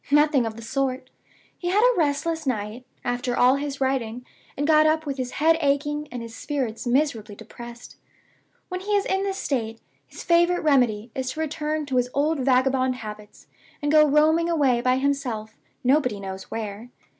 Nothing of the sort! He had a restless night, after all his writing, and got up with his head aching, and his spirits miserably depressed. When he is in this state, his favorite remedy is to return to his old vagabond habits, and go roaming away by himself nobody knows where.